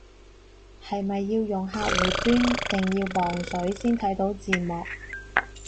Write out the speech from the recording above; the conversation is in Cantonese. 係咪要用客戶端定要磅水先睇到字幕